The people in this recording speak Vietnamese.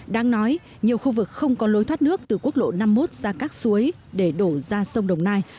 đáng nói nhiều khu vực không có lối thoát nước từ quốc lộ năm mươi một ra các suối để đổ ra sông đồng nai